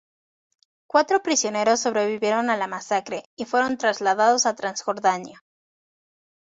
Cuatro prisioneros sobrevivieron a la masacre y fueron trasladados a Transjordania.